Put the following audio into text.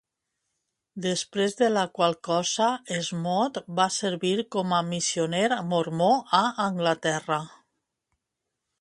Després de la qual cosa, Smoot va servir com a missioner mormó a Anglaterra.